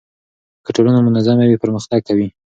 که ټولنه منظمه وي پرمختګ کوي.